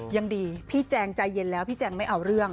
ยังดีพี่แจงใจเย็นแล้วพี่แจงไม่เอาเรื่อง